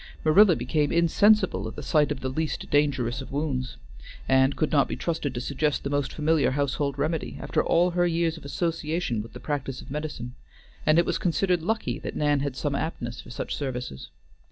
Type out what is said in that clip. Marilla became insensible at the sight of the least dangerous of wounds, and could not be trusted to suggest the most familiar household remedy, after all her years of association with the practice of medicine, and it was considered lucky that Nan had some aptness for such services.